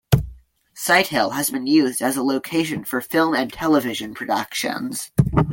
Sighthill has been used as a location for film and television productions.